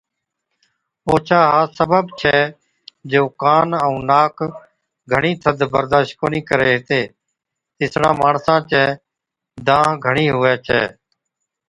اوڇا ها سبب ڇَي جو ڪان ائُون ناڪ گھڻِي ٿڌ برداشت ڪونهِي ڪري هِتي۔ اِسڙان ماڻسان چِي دانهن گھڻِي هُوَي ڇَي۔